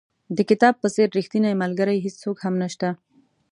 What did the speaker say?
د کتاب په څېر ریښتینی ملګری هېڅوک هم نشته.